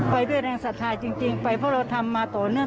ไปด้วยแรงศรัทธาจริงไปเพราะเราทำมาต่อเนื่อง